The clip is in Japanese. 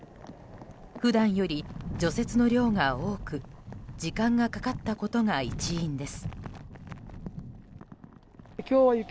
普段より除雪の量が多く時間がかかったことが一因です。